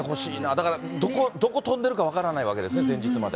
だからどこ飛んでるか分からないわけですね、前日まで。